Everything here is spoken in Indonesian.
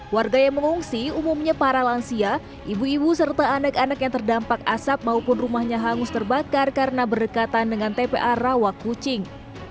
warga yang mengungsi umumnya para lansia ibu ibu serta anak anak yang terdampak asap maupun rumahnya hangus terbakar karena berdekatan dengan tpa rawakucing